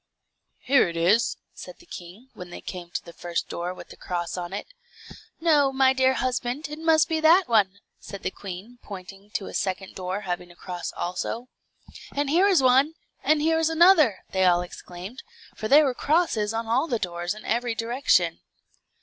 "Here it is," said the king, when they came to the first door with a cross on it. "No, my dear husband, it must be that one," said the queen, pointing to a second door having a cross also. "And here is one, and there is another!" they all exclaimed; for there were crosses on all the doors in every direction.